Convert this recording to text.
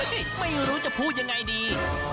เออใช่ตากผ้าตอนฝนตกไม่รู้จะพูดอย่างไรดี